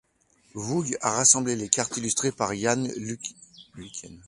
Vooght a rassemblé les cartes, illustrées par Jan Luyken.